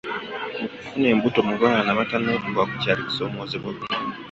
Okufuna embuto mu baana abatanneetuuka kukyali kusoomozebwa kunene.